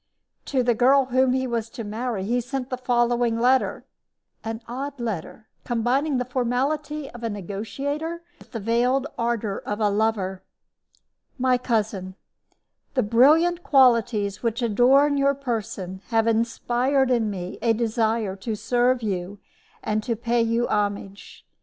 To the girl whom he was to marry he sent the following letter an odd letter, combining the formality of a negotiator with the veiled ardor of a lover: MY COUSIN: The brilliant qualities which adorn your person have inspired in me a desire to serve you and to pay you homage.